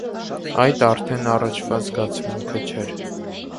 Այդ արդեն առաջվա զգացմունքը չէր.